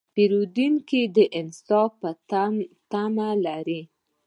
پیرودونکی د انصاف تمه لري.